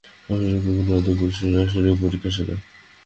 সংসারটা কৌতুহলী অদৃষ্টপুরুষের রাসায়নিক পরীক্ষাশালা।